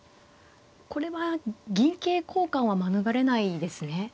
これは銀桂交換は免れないですね。